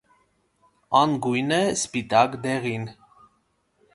Անգույն է, սպիտակ, դեղին։